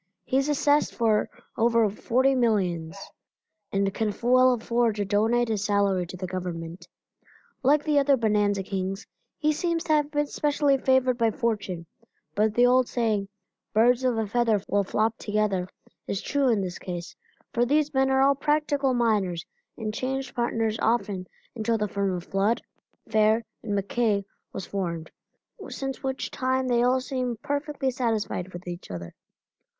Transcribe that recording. He is assessed for over forty millions, and can well afford to donate his salary to the Government. Like the other bonanza kings he seems to have been specially favored by fortune, but the old saying, "Birds of a feather will flock together," is true in this case, for these men are all practical miners and changed partners often until the firm of Flood, Fair & MacKay was formed, since which time they all seem perfectly satisfied each with the other.